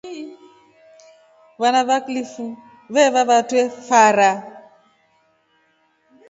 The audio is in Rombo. Vana va kilifu veeva vatwe fara.